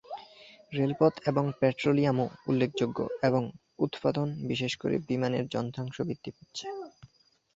রেলপথ এবং পেট্রোলিয়ামও উল্লেখযোগ্য এবং উৎপাদন, বিশেষ করে বিমানের যন্ত্রাংশ, বৃদ্ধি পাচ্ছে।